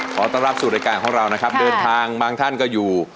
ขอต้อนรับสู่รายการของเรานะครับเดินทางบางท่านก็อยู่